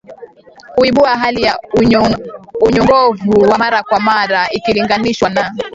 huibua hali ya unyongovu wa mara kwa mara ikilinganishwa na